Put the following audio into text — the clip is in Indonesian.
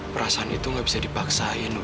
perasaan itu gak bisa dipaksain